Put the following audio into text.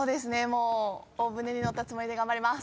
もう大船に乗ったつもりで頑張ります。